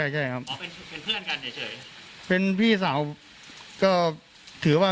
ครับพี่สาวก็ถือว่า